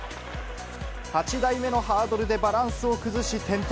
８台目のハードルでバランスを崩し転倒。